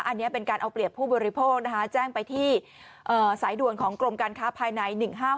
อันนี้เป็นการเอาเปรียบผู้บริโภคนะคะแจ้งไปที่สายด่วนของกรมการค้าภายใน๑๕๖